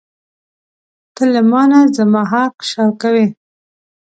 ته له مانه زما حق شوکوې.